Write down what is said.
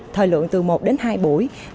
thời lượng từ một đến hai buổi